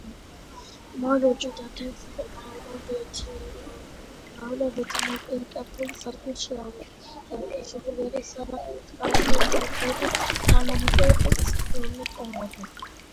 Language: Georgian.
მოლურჯო და თეთრი მარმარილოთი მოპირკეთებული სადგურში ახლად დამონტაჟებულია სარეკლამო ბილბორდები, თანამედროვე ტიპის მონიტორები.